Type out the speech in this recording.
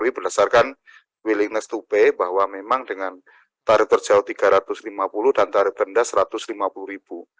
berdasarkan willingness to pay bahwa memang dengan tarif terjauh rp tiga ratus lima puluh dan tarif rendah rp satu ratus lima puluh ribu